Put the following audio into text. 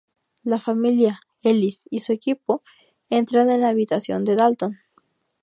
La familia, Elise, y su equipo entran en la habitación de Dalton.